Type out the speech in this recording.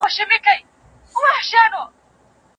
ذمي په اسلامي نظام کي خوندي دی.